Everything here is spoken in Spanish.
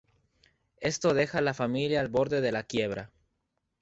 Esto deja a la familia al borde de la quiebra.